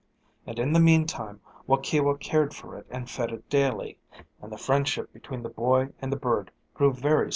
And in the meantime Waukewa cared for it and fed it daily, and the friendship between the boy and the bird grew very strong.